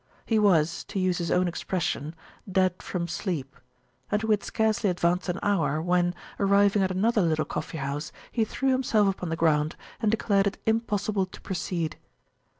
He was, to use his own expression, dead from sleep; and we had [p.263] scarcely advanced an hour, when, arriving at another little coffee house, he threw himself upon the ground, and declared it impossible to proceed.